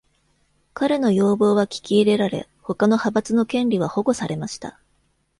彼の要望は聞き入れられ、他の派閥の権利は保護されました。